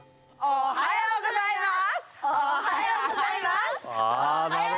おはようございます。